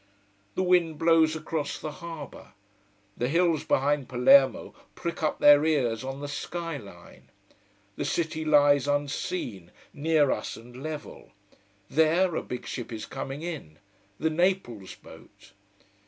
The wind blows across the harbour. The hills behind Palermo prick up their ears on the sky line. The city lies unseen, near us and level. There a big ship is coming in: the Naples boat.